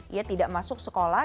ia tidak masuk sekolah